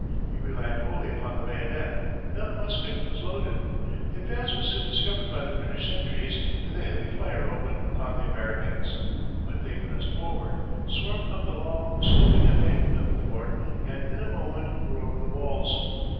He relied wholly upon the bayonet, and not a musket was loaded. The advance was soon discovered by the British sentries, and a heavy fire opened upon the Americans, but they pressed forward, swarmed up the long, sloping embankment of the fort, and in a moment were over the walls.